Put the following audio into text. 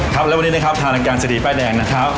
ครับและวันนี้นะครับทางรายการเศรษฐีป้ายแดงนะครับ